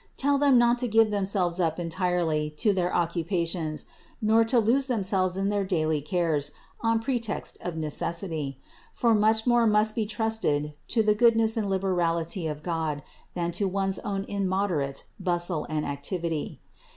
Tell them not to give themselves up entirely to their occupations, nor to lose themselves in their daily cares on pretext of necessity; for much more must be trusted to the goodness and liberality of God than to one's own immoderate bustle and activity.